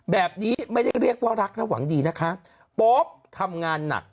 แบบนี้ไม่ได้เรียกว่ารักและหวังดีนะคะโป๊ปทำงานหนัก